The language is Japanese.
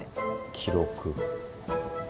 記録。